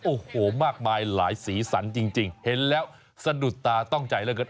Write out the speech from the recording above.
โอ้โหมากมายหลายสีสันจริงเห็นแล้วสะดุดตาต้องใจเหลือเกิน